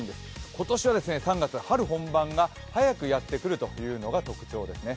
今年は３月、春本番が早くやってくるのが特徴です。